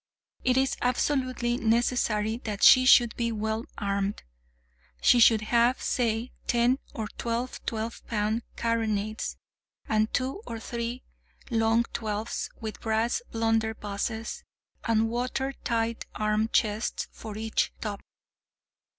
It is absolutely necessary that she should be well armed. She should have, say ten or twelve twelve pound carronades, and two or three long twelves, with brass blunderbusses, and water tight arm chests for each top.